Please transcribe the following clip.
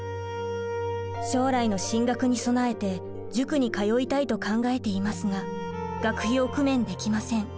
将来の進学に備えて塾に通いたいと考えていますが学費を工面できません。